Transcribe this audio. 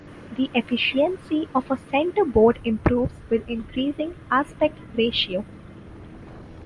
The efficiency of a centreboard improves with increasing aspect ratio.